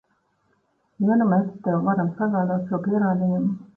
Ja nu mēs tev varam sagādāt šo pierādījumu?